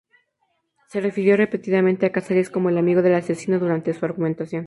Se refirió repetidamente a Cazares como "el amigo del asesino" durante su argumentación.